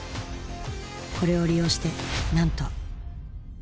これを利用してなんと。